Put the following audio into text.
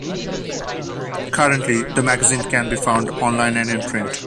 Currently, the magazine can be found online and in print.